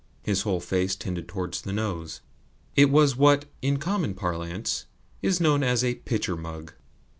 His whole face tended towards the nose it was what, in common parlance, is known as a "pitcher mug."